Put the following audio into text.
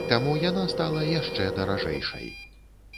Таму яна стала яшчэ даражэйшай.